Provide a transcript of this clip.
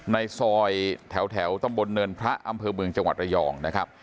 ในซอยแถวตำบลเนินพระอำเภอเมืองจังหวัดระยองนะครับ